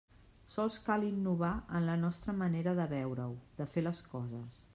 Sols cal innovar en la nostra manera de veure-ho, de fer les coses.